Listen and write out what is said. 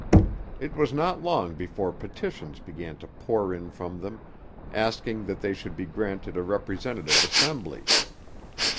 It was not long before petitions began to pour in from them asking that they should be granted a representative assembly.